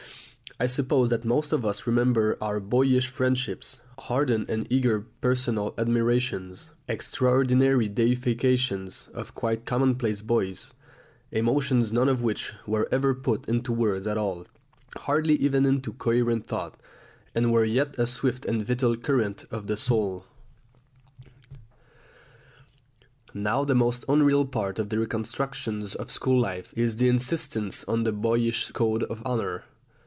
I suppose that most of us remember our boyish friendships, ardent and eager personal admirations, extraordinary deifications of quite commonplace boys, emotions none of which were ever put into words at all, hardly even into coherent thought, and were yet a swift and vital current of the soul. Now the most unreal part of the reconstructions of school life is the insistence on the boyish code of honour.